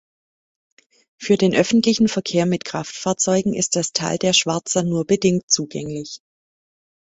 Für den öffentlichen Verkehr mit Kraftfahrzeugen ist das Tal der Schwarza nur bedingt zugänglich.